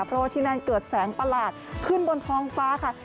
เพราะว่าที่นั่นเกิดแสงประหลาดขึ้นบนท้องฟ้าค่ะ